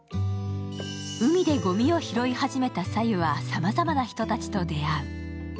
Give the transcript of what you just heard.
海でごみを拾い始めた早柚はさまざまな人たちと出会う。